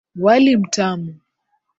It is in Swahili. Wali mtamu.